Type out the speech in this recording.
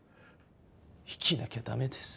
生きなきゃ駄目です。